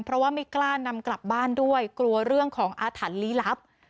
เพราะว่าไม่กล้านำกลับบ้านด้วยกลัวเรื่องของอาถรรพ์ลี้ลับ